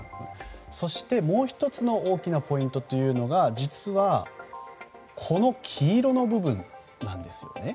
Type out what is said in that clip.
そしてもう１つの大きなポイントというのが実はこの黄色の部分なんですね。